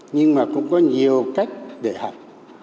nhưng mà cũng có nhiều cách để học